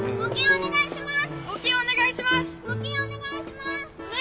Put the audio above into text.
お願いします！